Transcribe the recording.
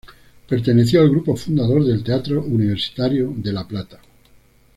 Perteneció al grupo fundador del Teatro Universitario de La Plata.